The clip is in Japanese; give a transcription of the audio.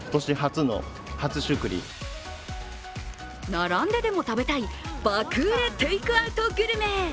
並んででも食べたい爆売れテイクアウトグルメ。